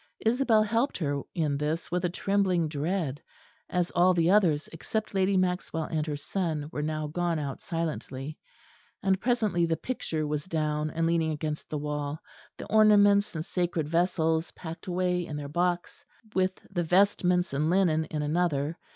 Isabel helped her in this with a trembling dread, as all the others except Lady Maxwell and her son were now gone out silently; and presently the picture was down, and leaning against the wall; the ornaments and sacred vessels packed away in their box, with the vestments and linen in another.